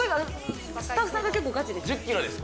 スタッフさんが結構がちですね。